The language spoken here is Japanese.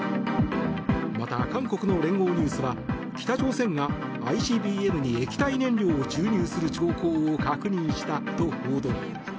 また、韓国の連合ニュースは北朝鮮がＩＣＢＭに液体燃料を注入する兆候を確認したと報道。